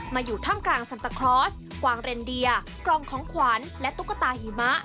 อยู่ท่ามกลางซันตาคลอสกวางเรนเดียกล่องของขวัญและตุ๊กตาหิมะ